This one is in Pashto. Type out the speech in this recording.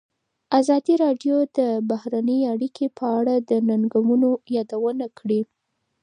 ازادي راډیو د بهرنۍ اړیکې په اړه د ننګونو یادونه کړې.